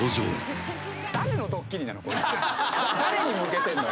誰に向けてんの？